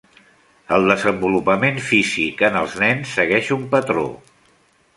El desenvolupament físic en els nens segueix un patró.